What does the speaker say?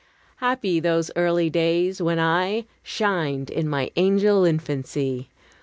Happy those early days, when I Shined in my angel infancy!